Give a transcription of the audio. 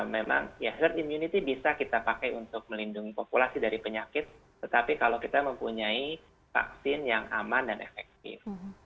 memang ya herd immunity bisa kita pakai untuk melindungi populasi dari penyakit tetapi kalau kita mempunyai vaksin yang aman dan efektif